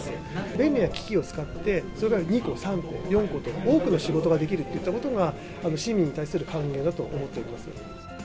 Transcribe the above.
便利な機器を使って、それから２個、３個、４個と、多くの仕事ができるといったことが、市民に対する還元だと思っております。